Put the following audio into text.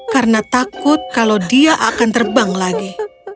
karena takut kalau dia akan terbang lagi